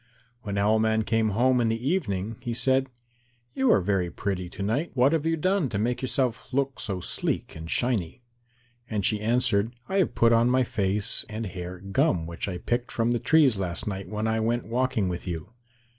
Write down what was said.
When Owl man came home in the evening, he said, "You are very pretty to night. What have you done to make yourself look so sleek and shiny?" And she answered, "I have put on my face and hair gum which I picked from the trees last night when I went walking with you."